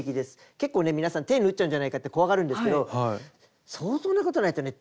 結構ね皆さん手縫っちゃうんじゃないかって怖がるんですけど相当なことないとね